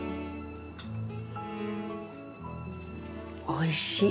おいしい。